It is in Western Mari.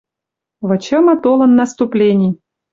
Вычымы толын наступлени —